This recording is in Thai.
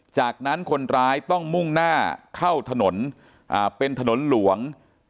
จากนั้นคนร้ายต้องมุ่งหน้าเข้าถนนเป็นถนนหลวง